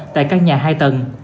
tại các nhà hai tầng